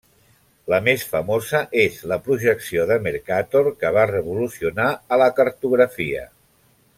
La més famosa és la projecció de Mercator que va revolucionar a la cartografia.